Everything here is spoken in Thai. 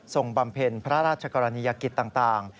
บำเพ็ญพระราชกรณียกิจต่าง